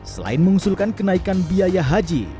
selain mengusulkan kenaikan biaya haji